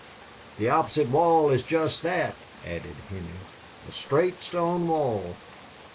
"The opposite wall is just that," added Henney. "A straight stone wall."